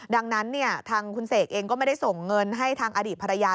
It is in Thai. ดังนั้นทางคุณเสกเองก็ไม่ได้ส่งเงินให้ทางอดีตภรรยา